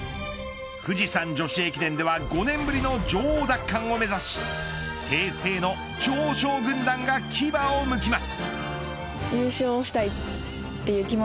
富士山女子駅伝では５年ぶりの女王奪還を目指し平成の常勝軍団が牙をむきます。